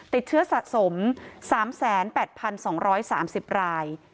ติดเชื้อสะสม๓๘๒๓๐ราย